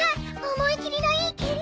思い切りのいいけり！